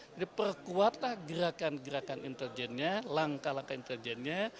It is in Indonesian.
jadi perkuatlah gerakan gerakan intelijennya langkah langkah intelijennya